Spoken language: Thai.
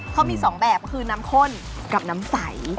เขามี๒แบบคือน้ำข้นกับน้ำใส